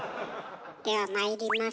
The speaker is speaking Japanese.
ではまいります。